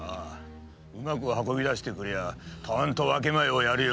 うまく運び出してくれりゃたんと分け前をやるよ。